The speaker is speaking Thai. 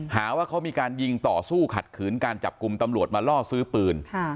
หาว่าเขามีการยิงต่อสู้ขัดขืนการจับกลุ่มตำรวจมาล่อซื้อปืน